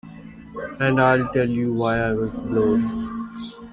And I'll tell you why I was blowed.